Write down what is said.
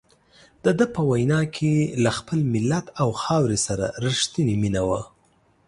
دده په وینا کې له خپل ملت او خاورې سره رښتیني مینه وه.